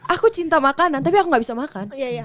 aku cinta makanan tapi aku gak bisa makan